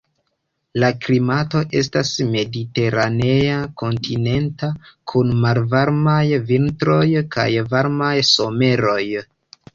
La klimato estas mediteranea kontinenta, kun malvarmaj vintroj kaj varmaj someroj.